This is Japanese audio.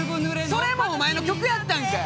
それもお前の曲やったんかい！